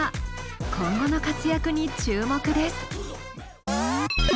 今後の活躍に注目です。